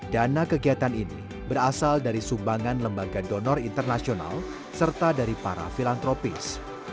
dana kegiatan ini berasal dari sumbangan lembaga donor internasional serta dari para filantropis